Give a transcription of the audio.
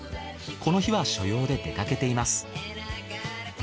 この日は所用で出かけています。